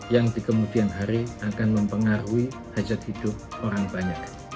yang di kemudian hari akan mempengaruhi hajat hidup orang banyak